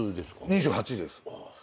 ２８です。